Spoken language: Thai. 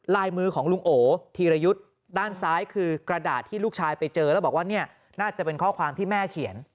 ลายมือของลุงโอธีรยุทธ์ด้านซ้ายคือกระดาษที่ลูกชายไปเจอแล้วบอกว่าเนี่ยน่าจะเป็นข้อความที่แม่เขียน